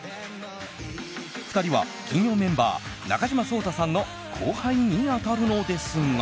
２人は、金曜メンバー中島颯太さんの後輩に当たるのですが。